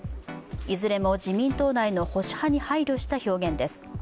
いずれも自民党内の保守派に配慮した表現です。